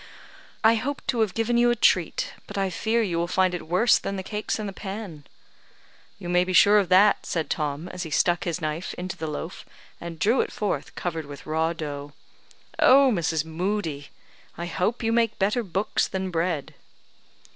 "I hoped to have given you a treat, but I fear you will find it worse than the cakes in the pan." "You may be sure of that," said Tom, as he stuck his knife into the loaf, and drew it forth covered with raw dough. "Oh, Mrs. Moodie! I hope you make better books than bread."